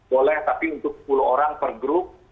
boleh tapi untuk sepuluh orang per grup